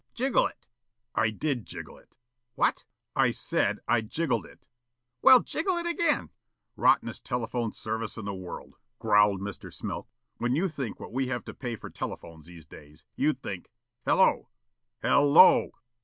"Jiggle it." "I did jiggle it." "What?" "I said I jiggled it." "Well, jiggle it again." "Rottenest telephone service in the world," growled Mr. Smilk. "When you think what we have to pay for telephones these days, you'd think hello! Hell lo!"